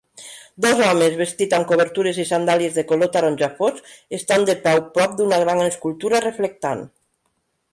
Dos homes vestits amb cobertures i sandàlies de color taronja fosc estan de peu prop d'una gran escultura reflectant.